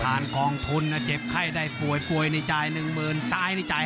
ประธานกองทุนเจ็บไข้ได้ป่วยป่วยเนี่ยจ่าย๑๐๐๐๐ตายเนี่ยจ่าย๕๐๐๐๐